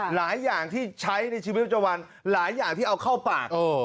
หลายอย่างที่ใช้ในชีวิตประจำวันหลายอย่างที่เอาเข้าปาก